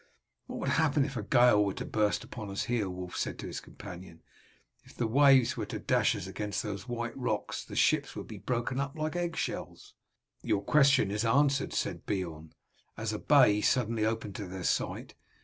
"What would happen if a gale were to burst upon us here?" Wulf said to his companion. "If the waves were to dash us against those white rocks the ships would be broken up like egg shells." "Your question is answered," Beorn said, as a bay suddenly opened to their sight.